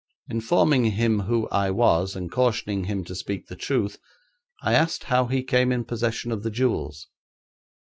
Informing him who I was, and cautioning him to speak the truth, I asked how he came in possession of the jewels.